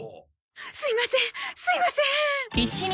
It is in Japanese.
すいませんすいません！